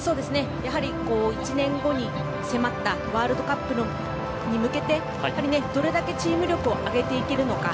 やはり１年後に迫ったワールドカップに向けてどれだけチーム力を上げていけるのか。